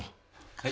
はい。